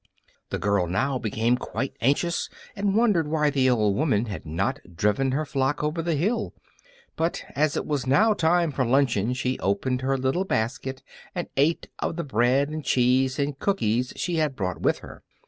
The girl now became quite anxious, and wondered why the old woman had not driven her flock over the hill. But as it was now time for luncheon she opened her little basket and ate of the bread and cheese and cookies she had brought with her.